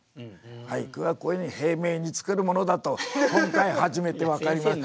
俳句はこういうふうに平明に作るものだと今回初めて分かりました。